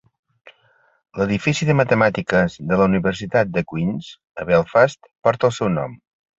L'edifici de Matemàtiques de la universitat de Queens, a Belfast, porta el seu nom.